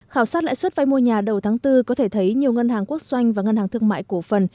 khảo sát lãi suất vay mua nhà đầu tháng bốn có thể thấy nhiều ngân hàng quốc doanh và ngân hàng thương mại cổ phần